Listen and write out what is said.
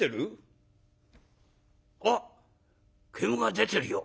あっ煙が出てるよ。